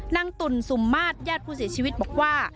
นางตุลซูมมาทญาติผู้เสียชีวิตบอกว่า